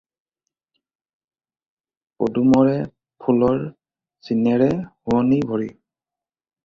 পদুমৰে ফুলৰ চিনেৰে শুৱনী ভৰি।